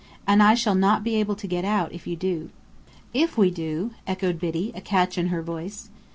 And I shall not be able to get out, if you do." "If we do!" echoed Biddy, a catch in her voice.